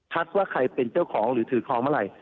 ว่าใครเป็นเจ้าของหรือถือคลองเมื่อไหร่